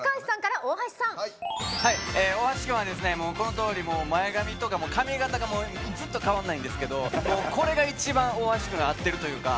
大橋君は、このとおり前髪とか髪形ずっと変わらないんですけどこれが大橋君らしいというか